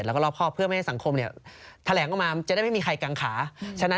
มันเกินพอที่จะ